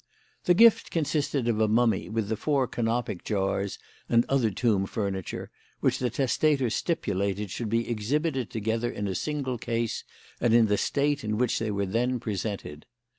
The gift consisted of a mummy with the four Canopic jars and other tomb furniture, which the testator stipulated should be exhibited together in a single case and in the state in which they were then presented.